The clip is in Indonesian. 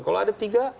kalau ada tiga